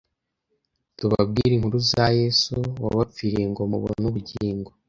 tubabwire inkuru za Yesu wabapfiriye ngo mubone ubugingo. "